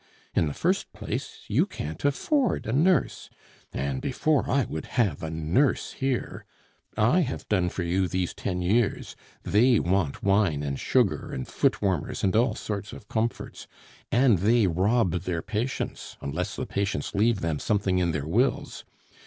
In the first place, you can't afford a nurse. And before I would have a nurse here! I have done for you these ten years; they want wine and sugar, and foot warmers, and all sorts of comforts. And they rob their patients unless the patients leave them something in their wills.